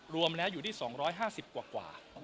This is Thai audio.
รวมแล้วอยู่ที่๒๕๐กว่า